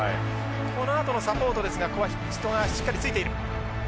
このあとのサポートですがここは人がしっかりついている。